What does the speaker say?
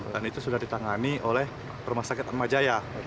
dan itu sudah ditangani oleh rumah sakit atmajaya